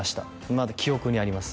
まだ記憶にあります